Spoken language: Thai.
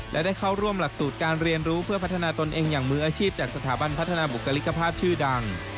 และได้เข้าร่วมหลักสูตรการเรียนรู้เพื่อพัฒนาตนเองอย่างมืออาชีพจากสถาบันพัฒนาบุคลิกภาพชื่อดัง